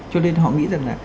cho nên họ nghĩ rằng là